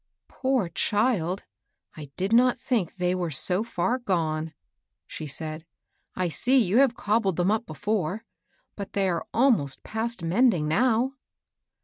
*' Poor child I I did not think they were so far gone," she said. " I see you have cobbled them THE OLD BOOTS. 131 up before ; but they are almost past mending, now."